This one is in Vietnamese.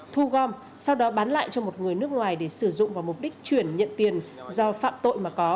thu gom sau đó bán lại cho một người nước ngoài để sử dụng vào mục đích chuyển nhận tiền do phạm tội mà có